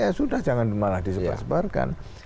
ya sudah jangan malah disebar sebarkan